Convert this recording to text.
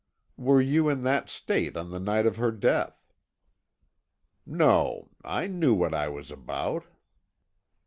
"Were you in that state on the night of her death?" "No I knew what I was about."